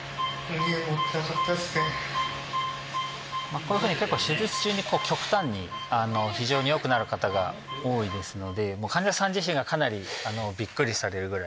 こういうふうに手術中に極端に非常に良くなる方が多いですので患者さん自身がかなりビックリされるぐらい。